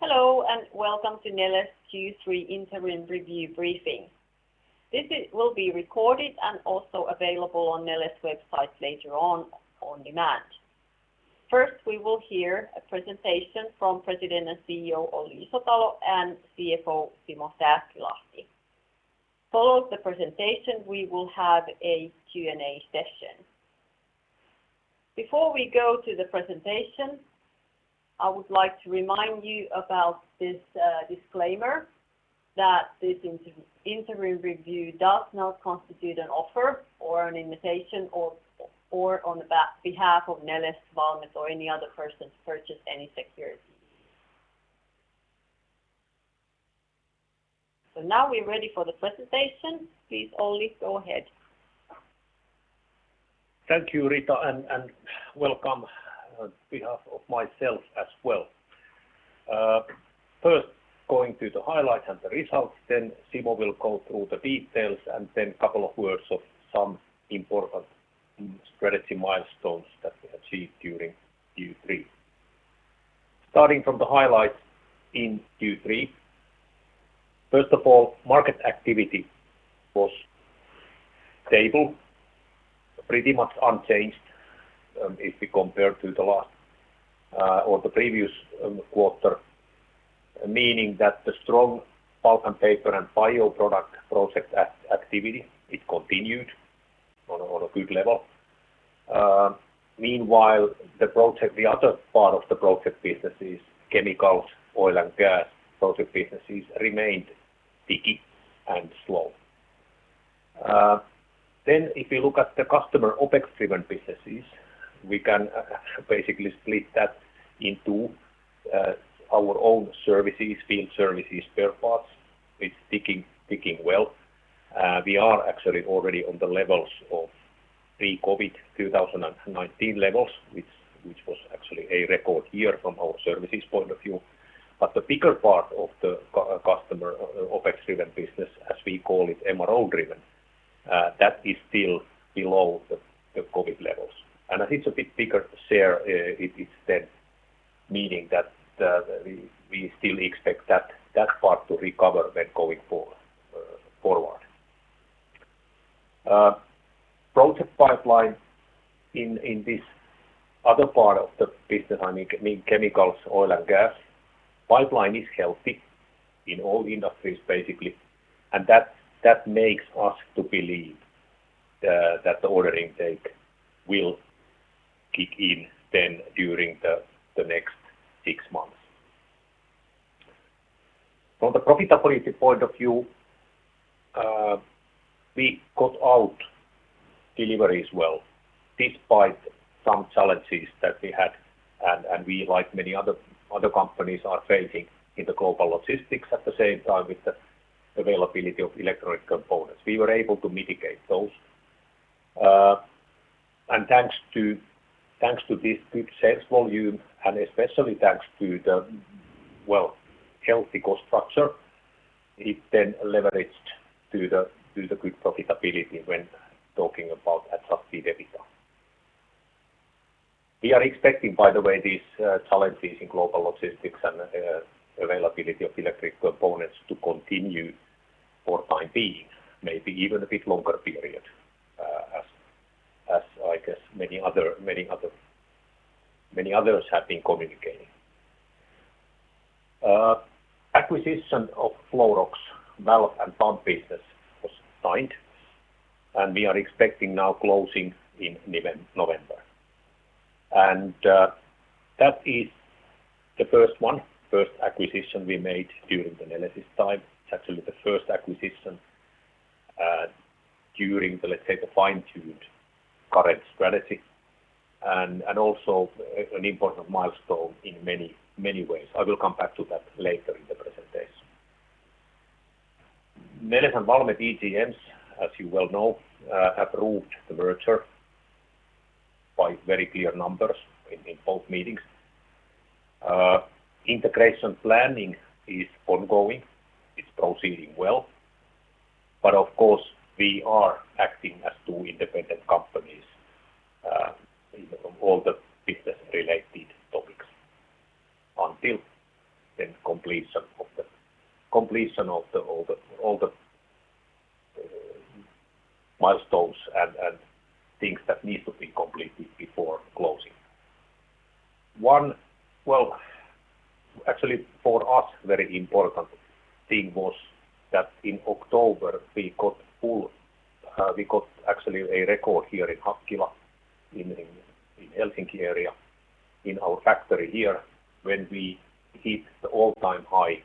Hello, and welcome to Neles Q3 Interim Review briefing. This will be recorded and also available on Neles website later on demand. First, we will hear a presentation from President and CEO Olli Isotalo and CFO Simo Sääskilahti. Following the presentation, we will have a Q&A session. Before we go to the presentation, I would like to remind you about this disclaimer that this interim review does not constitute an offer or an invitation or on behalf of Neles, Valmet or any other person to purchase any security. Now we're ready for the presentation. Please, Olli, go ahead. Thank you, Rita, and welcome on behalf of myself as well. First, going through the highlights and the results, then Simo will go through the details, and then couple of words of some important strategy milestones that we achieved during Q3. Starting from the highlights in Q3, first of all, market activity was stable, pretty much unchanged, if we compare to the last, or the previous, quarter, meaning that the strong pulp and paper and bioproduct project activity, it continued on a good level. Meanwhile, the project, the other part of the project businesses, chemicals, oil and gas project businesses remained picky and slow. Then if you look at the customer OpEx-driven businesses, we can basically split that into our own services, field services, spare parts. It's picking well. We are actually already on the levels of pre-COVID, 2019 levels, which was actually a record year from our services point of view. The bigger part of the customer OpEx-driven business, as we call it, MRO-driven, that is still below the COVID levels. As it's a bit bigger share, it is then meaning that we still expect that part to recover when going forward. Project pipeline in this other part of the business, I mean chemicals, oil and gas, pipeline is healthy in all industries, basically. That makes us to believe that the order intake will kick in then during the next six months. From the profitability point of view, we got our deliveries well, despite some challenges that we had and we, like many other companies, are facing in the global logistics at the same time with the availability of electronic components. We were able to mitigate those. Thanks to this good sales volume, and especially thanks to the, well, healthy cost structure, it then leveraged to the good profitability when talking about adjusted EBITDA. We are expecting, by the way, these challenges in global logistics and availability of electronic components to continue for the time being, maybe even a bit longer period, as I guess many others have been communicating. Acquisition of Flowrox valve and pump business was signed, and we are expecting now closing in November. That is the first one, first acquisition we made during the Neles' time. It's actually the first acquisition during the, let's say, the fine-tuned current strategy and also an important milestone in many, many ways. I will come back to that later in the presentation. Neles and Valmet EGMs, as you well know, approved the merger by very clear numbers in both meetings. Integration planning is ongoing. It's proceeding well. Of course, we are acting as two independent companies in all the business-related topics until the completion of all the milestones and things that needs to be completed before closing. Well, actually, for us, a very important thing was that in October we actually got a record here in Hakkila in the Helsinki area in our factory here when we hit the all-time high,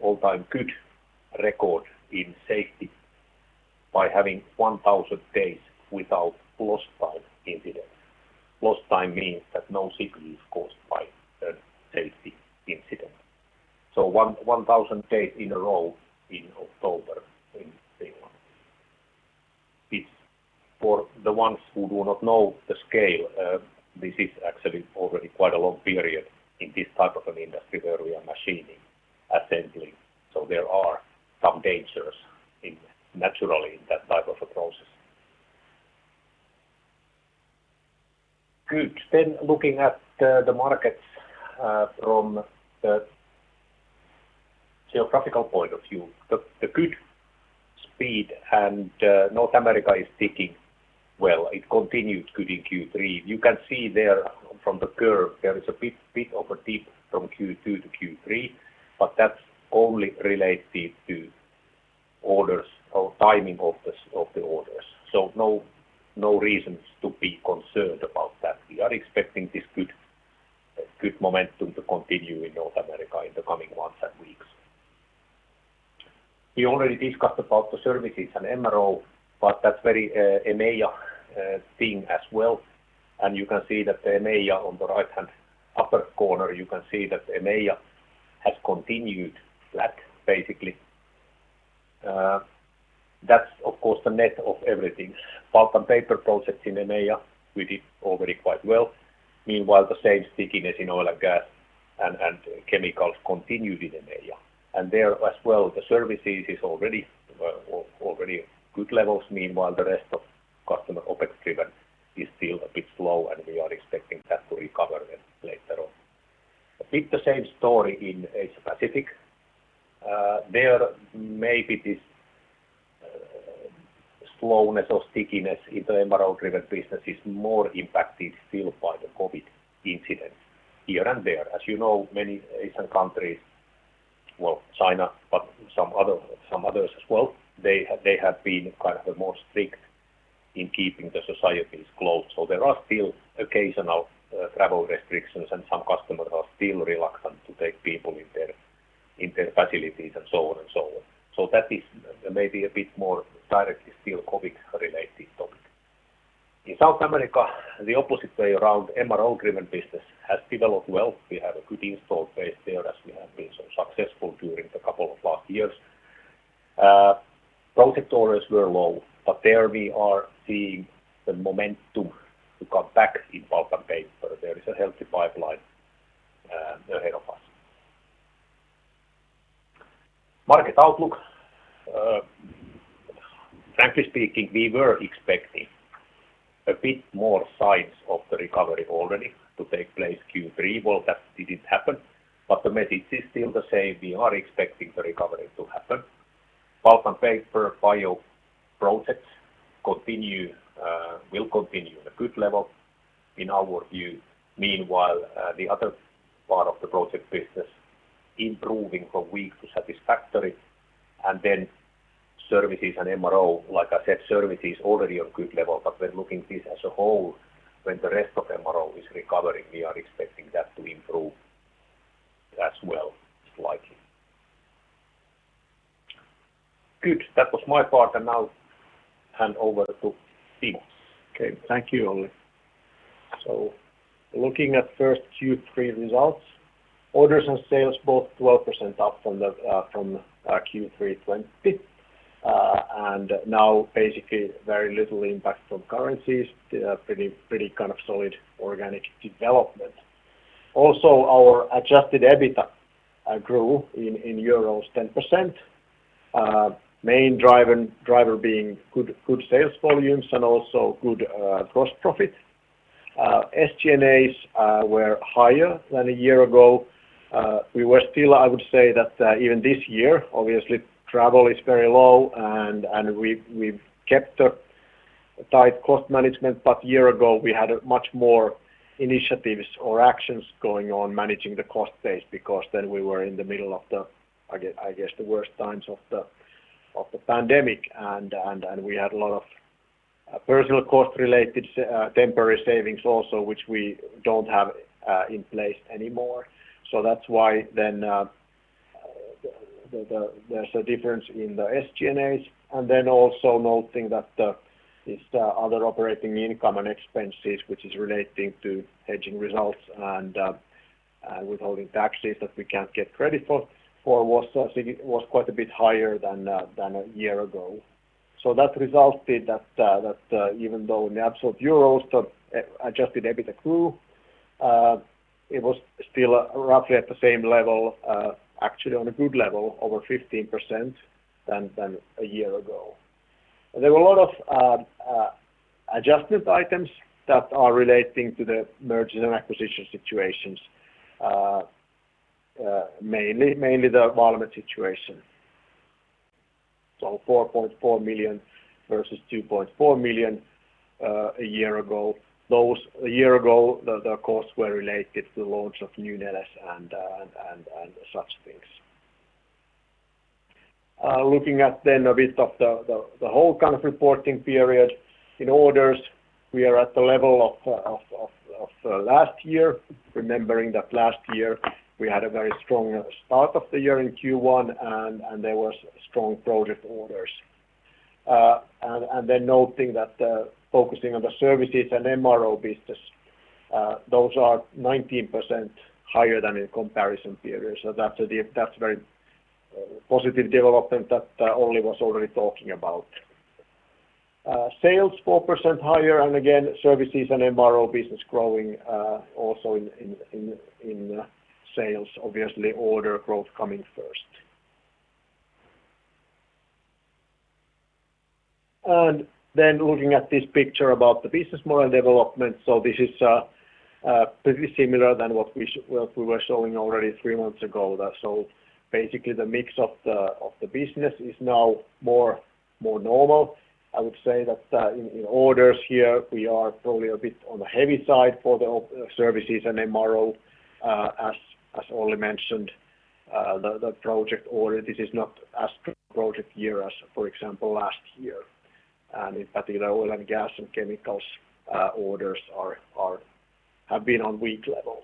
all-time good record in safety by having 1,000 days without lost time incidents. Lost time means that no sick leave caused by a safety incident. 1,000 days in a row in October. It's for the ones who do not know the scale, this is actually already quite a long period in this type of an industry where we are machining, assembling. There are some dangers naturally in that. Good. Looking at the markets from the geographical point of view. The good speed in North America is ticking well. It continued good in Q3. You can see there from the curve there is a bit of a dip from Q2 to Q3, but that's only related to orders or timing of the orders. No reasons to be concerned about that. We are expecting this good momentum to continue in North America in the coming months and weeks. We already discussed about the services and MRO, but that's very EMEA thing as well. You can see that the EMEA on the right-hand upper corner, you can see that EMEA has continued flat, basically. That's of course the net of everything. Pulp and paper projects in EMEA, we did already quite well. Meanwhile, the same stickiness in oil and gas and chemicals continued in EMEA. There as well, the services is already good levels. Meanwhile, the rest of customer OpEx-driven is still a bit slow, and we are expecting that to recover then later on. A bit the same story in Asia Pacific. There, maybe this slowness or stickiness in the MRO-driven business is more impacted still by the COVID incidents here and there. As you know, many Asian countries. Well, China, but some other, some others as well, they have been kind of more strict in keeping the societies closed, so there are still occasional travel restrictions, and some customers are still reluctant to take people in their facilities, and so on and so on. So that is maybe a bit more directly still COVID-related topic. In South America, the opposite way around, MRO-driven business has developed well. We have a good installed base there as we have been so successful during the couple of last years. Project orders were low, but there we are seeing the momentum to come back in pulp and paper. There is a healthy pipeline ahead of us. Market outlook. Frankly speaking, we were expecting a bit more signs of the recovery already to take place Q3. Well, that didn't happen, but the message is still the same. We are expecting the recovery to happen. Pulp and paper, bio projects continue, will continue in a good level in our view. Meanwhile, the other part of the project business improving from weak to satisfactory. Services and MRO, like I said, service is already on good level, but we're looking this as a whole. When the rest of MRO is recovering, we are expecting that to improve as well slightly. Good. That was my part, and I'll hand over to Simo. Okay. Thank you, Olli. Looking at first Q3 results, orders and sales both 12% up from Q3 2020. Now basically very little impact from currencies. Pretty kind of solid organic development. Also, our adjusted EBITDA grew in euros 10%. Main driver being good sales volumes and also good gross profit. SG&As were higher than a year ago. We were still, I would say that, even this year, obviously travel is very low and we've kept a tight cost management, but a year ago we had much more initiatives or actions going on managing the cost base because then we were in the middle of the, I guess the worst times of the pandemic and we had a lot of personnel cost-related temporary savings also which we don't have in place anymore. That's why there's a difference in the SG&A. Also noting that other operating income and expenses which is relating to hedging results and withholding taxes that we can't get credit for was quite a bit higher than a year ago. That resulted, that even though in absolute euros the adjusted EBITDA grew, it was still roughly at the same level, actually on a good level over 15% than a year ago. There were a lot of adjustment items that are relating to the mergers and acquisition situations, mainly the Valmet situation. Four point four million versus two point four million a year ago. A year ago, the costs were related to the launch of Neles and such things. Looking at then a bit of the whole kind of reporting period. In orders, we are at the level of last year, remembering that last year we had a very strong start of the year in Q1 and there was strong project orders. Noting that, focusing on the services and MRO business, those are 19% higher than in comparison period. That's very positive development that Olli was already talking about. Sales 4% higher and again, services and MRO business growing, also in sales, obviously order growth coming first. Looking at this picture about the business model development. This is pretty similar than what we were showing already three months ago. Basically, the mix of the business is now more normal. I would say that in orders here, we are probably a bit on the heavy side for the OpEx services and MRO. As Olli mentioned, the project order, this is not as strong project year as, for example, last year. In particular, oil and gas and chemicals orders have been on weak level.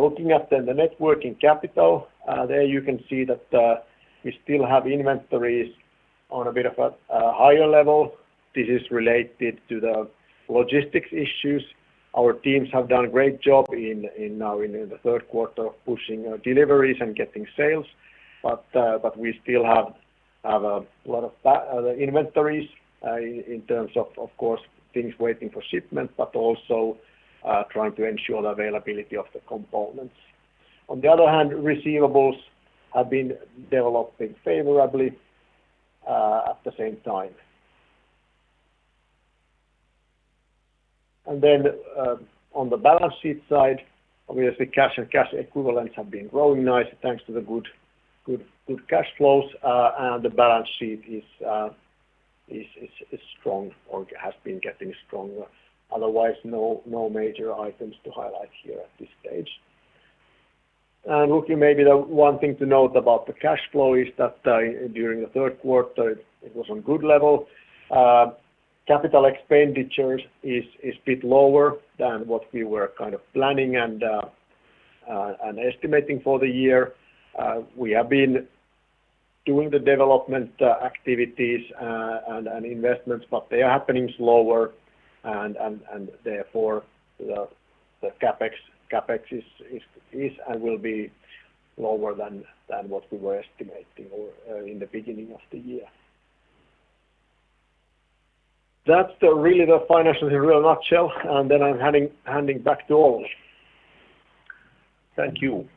Looking at then the net working capital, there you can see that we still have inventories on a bit of a higher level. This is related to the logistics issues. Our teams have done a great job in the third quarter of pushing deliveries and getting sales. We still have a lot of inventories, in terms of course, things waiting for shipment, but also trying to ensure the availability of the components. On the other hand, receivables have been developing favorably, at the same time. On the balance sheet side, obviously, cash and cash equivalents have been growing nicely thanks to the good cash flows. The balance sheet is strong or has been getting stronger. Otherwise, no major items to highlight here at this stage. Looking, maybe the one thing to note about the cash flow is that, during the third quarter, it was on good level. Capital expenditures is a bit lower than what we were kind of planning and estimating for the year. We have been doing the development activities and investments, but they are happening slower and therefore, the CapEx is and will be lower than what we were estimating or in the beginning of the year. That's really the financials in a nutshell. I'm handing back to Olli. Thank you.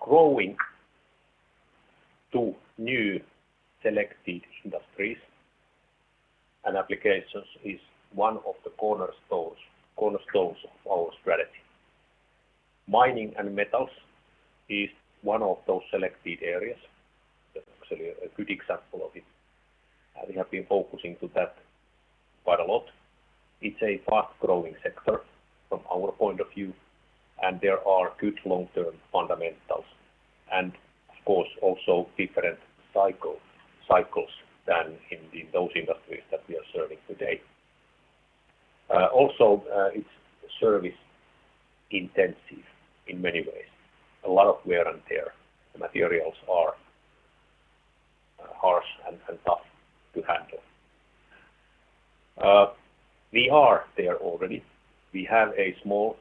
Growing to new selected industries and applications is one of the cornerstones of our strategy. Mining and metals is one of those selected areas. That's actually a good example of it. We have been focusing on that quite a lot. It's a fast-growing sector from our point of view, and there are good long-term fundamentals. Of course, also different cycles than in those industries that we are serving today. Also, it's service-intensive in many ways. A lot of wear and tear. The materials are harsh and tough to handle. We are there already. We have a small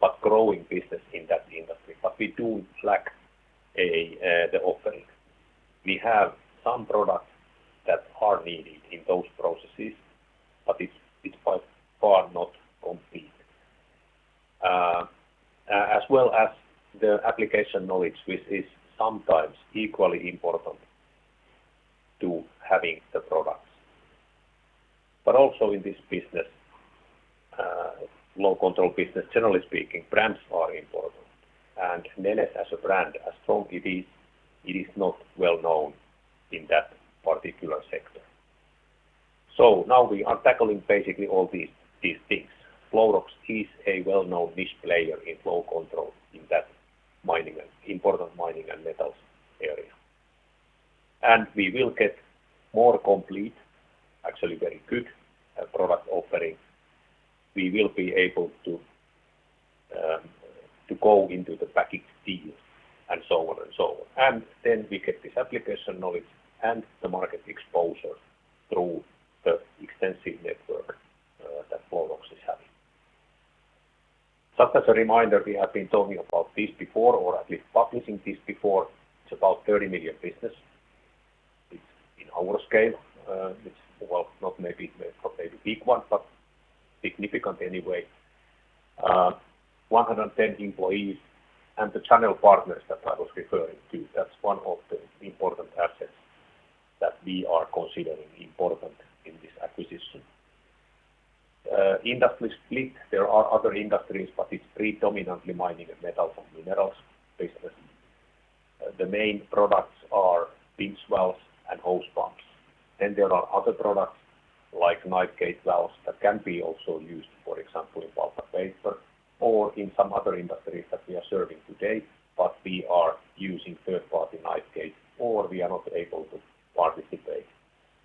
but growing business in that industry, but we do lack the offering. We have some products that are needed in those processes, but it's by far not complete. As well as the application knowledge, which is sometimes equally important to having the products. Also in this business, flow control business, generally speaking, brands are important. Neles as a brand, as strong it is, it is not well-known in that particular sector. Now we are tackling basically all these things. Flowrox is a well-known niche player in flow control in that important mining and metals area. We will get more complete, actually very good, product offering. We will be able to to go into the package deals and so on and so on. Then we get this application knowledge and the market exposure through the extensive network that Flowrox is having. Just as a reminder, we have been talking about this before, or at least publishing this before. It's about 30 million business. It's in our scale. Well, it's not maybe a big one, but significant anyway. 110 employees and the channel partners that I was referring to, that's one of the important assets that we are considering important in this acquisition. Industry split, there are other industries, but it's predominantly mining and metals and minerals business. The main products are pinch valves and hose pumps. Then there are other products like knife gate valves that can be also used, for example, in pulp and paper or in some other industries that we are serving today. We are using third-party knife gate, or we are not able to participate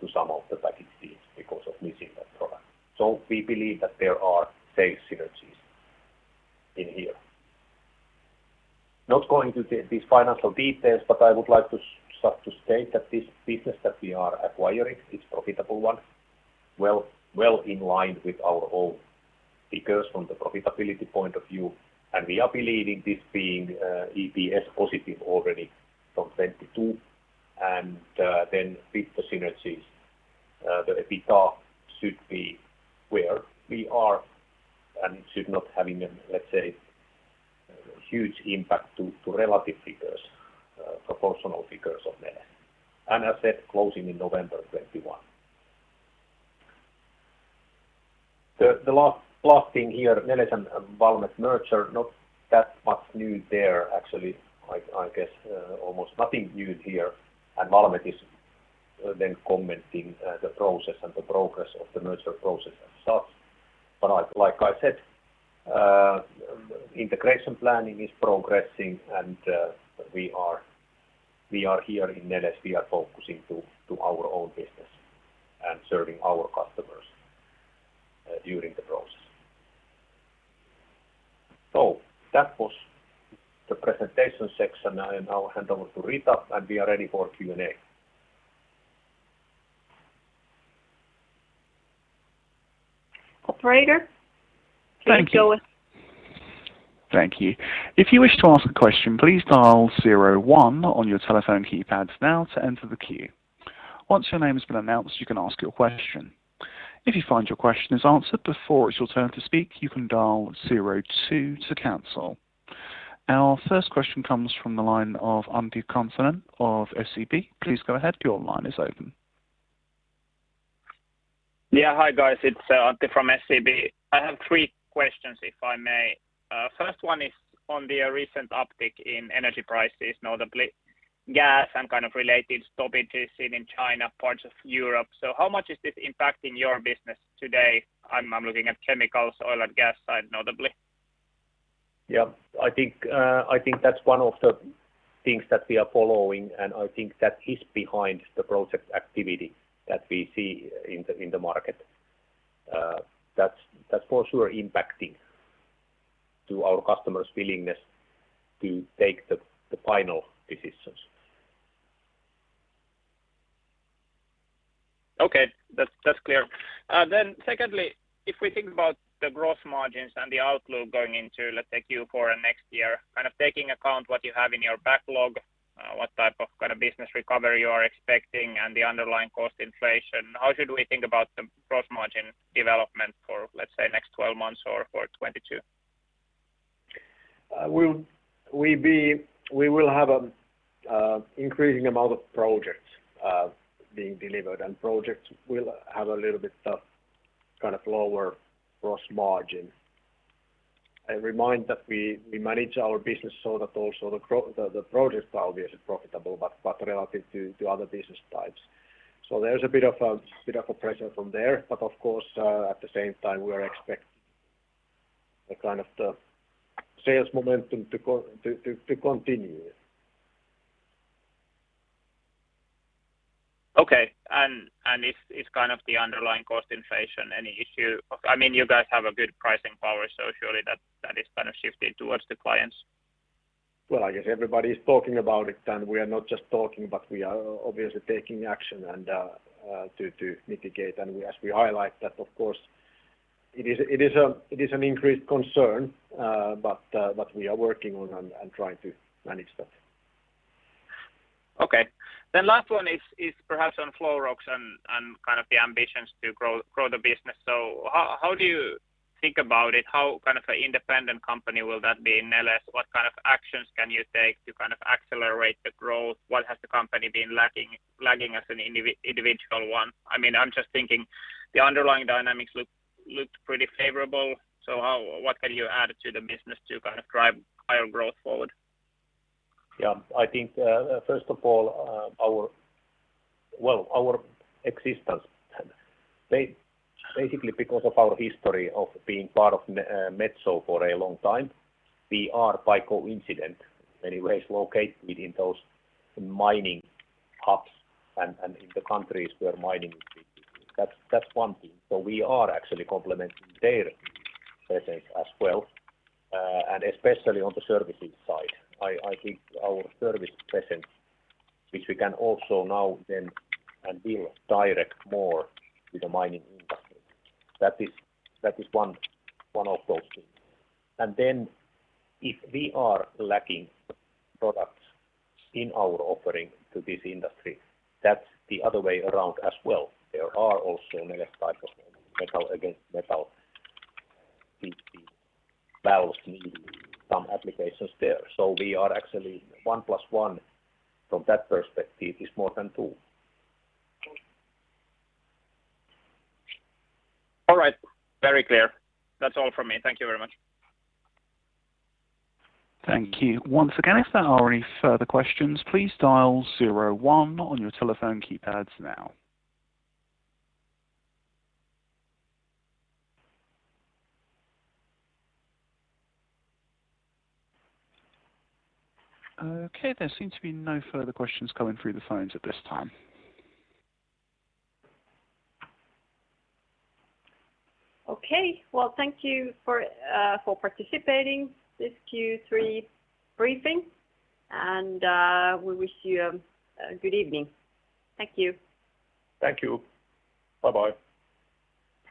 to some of the package deals because of missing that product. We believe that there are safe synergies in here. Not going to these financial details, but I would like to start to state that this business that we are acquiring is profitable one. Well in line with our own figures from the profitability point of view. We are believing this being EPS positive already from 2022, and then with the synergies, the EBITDA should be where we are, and it should not have even, let's say, huge impact to relative figures, proportional figures of Neles. As said, closing in November 2021. The last thing here, Neles and Valmet merger, not that much new there actually. I guess almost nothing new here. Valmet is then commenting the process and the progress of the merger process itself. Like I said, integration planning is progressing, and we are here in Neles. We are focusing to our own business and serving our customers during the process. That was the presentation section. I now hand over to Rita, and we are ready for Q&A. Operator, can you go with- Thank you. Thank you. If you wish to ask a question, please dial zero one on your telephone keypads now to enter the queue. Once your name has been announced, you can ask your question. If you find your question is answered before it's your turn to speak, you can dial zero two to cancel. Our first question comes from the line of Antti Kansanen of SEB. Please go ahead, your line is open. Yeah. Hi, guys. It's Antti from SEB. I have three questions, if I may. First one is on the recent uptick in energy prices, notably gas and kind of related stoppages seen in China, parts of Europe. How much is this impacting your business today? I'm looking at chemicals, oil and gas side notably. Yeah. I think that's one of the things that we are following, and I think that is behind the project activity that we see in the market. That's for sure impacting our customers' willingness to take the final decisions. Okay. That's clear. Secondly, if we think about the gross margins and the outlook going into, let's say, Q4 and next year, kind of taking into account what you have in your backlog, what type of business recovery you are expecting and the underlying cost inflation, how should we think about the gross margin development for, let's say, next 12 months or for 2022? We will have an increasing amount of projects being delivered, and projects will have a little bit of kind of lower gross margin. I remind that we manage our business so that also the projects are obviously profitable, but relative to other business types. There's a bit of a pressure from there. Of course, at the same time, we are expecting a kind of the sales momentum to continue. Okay. Is kind of the underlying cost inflation any issue? I mean, you guys have a good pricing power, so surely that is kind of shifted towards the clients. Well, I guess everybody is talking about it, and we are not just talking, but we are obviously taking action and to mitigate. As we highlight that of course it is an increased concern, but we are working on and trying to manage that. Okay. Last one is perhaps on Flowrox and kind of the ambitions to grow the business. How do you think about it? How kind of an independent company will that be in Neles? What kind of actions can you take to kind of accelerate the growth? What has the company been lagging as an individual one? I mean, I'm just thinking the underlying dynamics looked pretty favorable. How, what can you add to the business to kind of drive higher growth forward? Yeah. I think, first of all, our existence basically because of our history of being part of Metso for a long time, we are by coincidence in many ways located within those mining hubs and in the countries where mining is big. That's one thing. We are actually complementing their presence as well, and especially on the services side. I think our service presence, which we can also now expand and build directly more with the mining industry, that is one of those things. If we are lacking products in our offering to this industry, that's the other way around as well. There are also Neles type of metal-to-metal seating valves in some applications there. We are actually one plus one from that perspective is more than two. All right. Very clear. That's all from me. Thank you very much. Thank you. Once again, if there are any further questions, please dial zero one on your telephone keypads now. Okay, there seem to be no further questions coming through the phones at this time. Okay. Well, thank you for participating this Q3 briefing, and we wish you a good evening. Thank you. Thank you. Bye-bye.